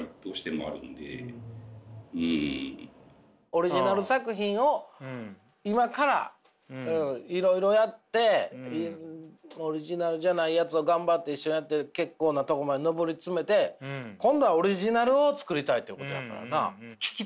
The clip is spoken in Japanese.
オリジナル作品を今からいろいろやってオリジナルじゃないやつを頑張って結構なとこまで上り詰めて今度はオリジナルを作りたいということやからな。